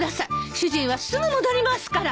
主人はすぐ戻りますから！